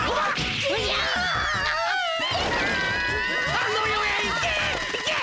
あの世へ行け！